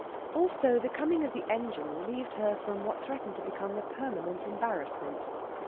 Also the coming of the engine relieved her from what threatened to become a permanent embarrassment.